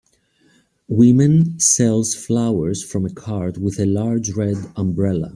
Women sells flowers from a cart with a large red umbrella.